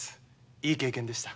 いい経験でした。